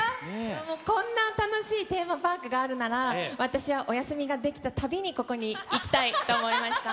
もうこんなに楽しいテーマパークがあるなら、私はお休みが出来たたびにここに行きたいと思いました。